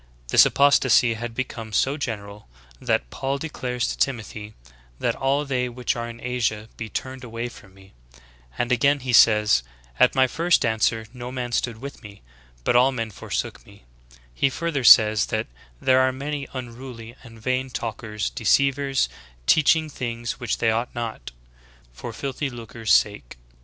This apostasy had become so general that Paul declares to Timothy, 'that all they which are in Asia be turned away from me ;' and again he says, 'at my first answer no man stood with me, but all men forsook me ;' he further says that 'there are many unruly, and vain talk ers, deceivers, teaching things which they ought not, for filthy lucre's sake.'